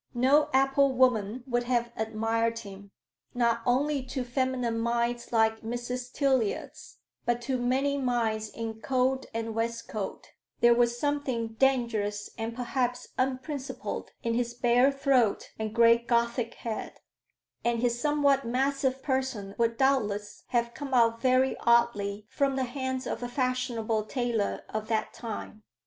No apple woman would have admired him; not only to feminine minds like Mrs. Tiliot's, but to many minds in coat and waistcoat, there was something dangerous and perhaps unprincipled in his bare throat and great Gothic head; and his somewhat massive person would doubtless have come out very oddly from the hands of a fashionable tailor of that time.